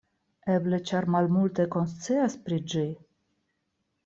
Eble ĉar malmultaj konscias pri ĝi?